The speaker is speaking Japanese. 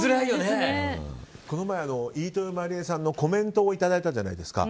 この前、飯豊まりえさんのコメントをいただいたじゃないですか。